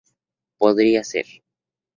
Podría ser.